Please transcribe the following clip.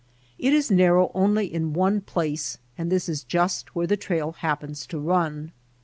It is narrow only in one place and this is just where the trail happens to run.